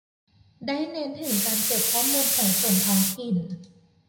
ได้เน้นถึงการเก็บข้อมูลของส่วนท้องถิ่น